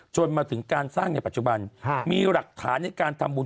จนมาถึงการสร้างในปัจจุบันมีหลักฐานในการทำบุญ